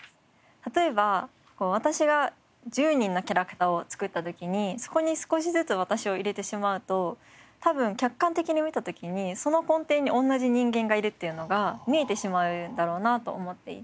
例えば私が１０人のキャラクターを作った時にそこに少しずつ私を入れてしまうと多分客観的に見た時にその根底に同じ人間がいるっていうのが見えてしまうだろうなと思っていて。